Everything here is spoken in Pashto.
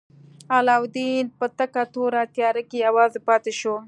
علاوالدین په تکه توره تیاره کې یوازې پاتې شو.